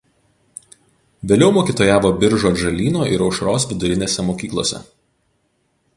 Vėliau mokytojavo Biržų „Atžalyno“ ir „Aušros“ vidurinėse mokyklose.